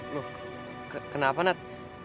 loh kenapa nat